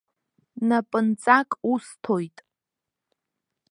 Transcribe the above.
Напынҵак усҭоит.